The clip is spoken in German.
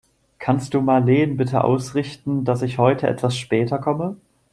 Kannst du Marleen bitte ausrichten, dass ich heute etwas später komme?